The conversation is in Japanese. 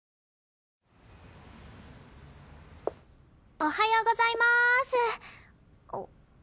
おはようございまーす。